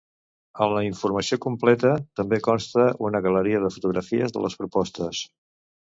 En la informació completa també consta una galeria de fotografies de les propostes.